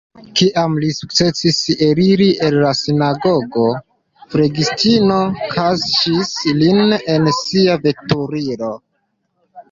Kiam li sukcesis eliri el la sinagogo, flegistino kaŝis lin en sia veturilo.